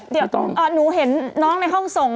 เดี๋ยวต้องหนูเห็นน้องในห้องส่ง